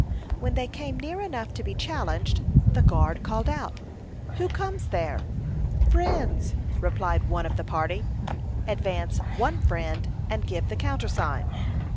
When they came near enough to be challenged, the guard called out, "Who comes there?" "Friends," replied one of the party. "Advance, one friend, and give the countersign."